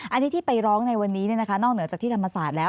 อันนี้ที่ไปร้องในวันนี้นอกเหนือจากที่ธรรมศาสตร์แล้ว